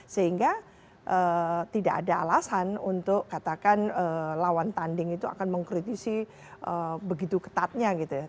sehingga tidak ada alasan untuk katakan lawan tanding itu akan mengkritisi begitu ketatnya gitu ya